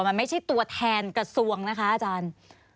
มันไม่ใช่ตัวแทนกระทรวงนะคะอาจารย์